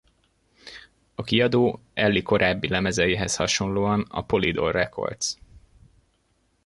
A kiadó Ellie korábbi lemezeihez hasonlóan a Polydor Records.